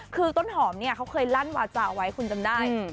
คือต้นหอมเนี่ยเขาเคยลั่นวาจาไว้คุณจำได้